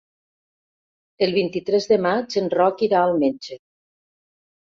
El vint-i-tres de maig en Roc irà al metge.